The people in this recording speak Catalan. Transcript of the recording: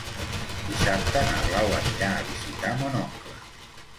Dissabte na Blau anirà a visitar mon oncle.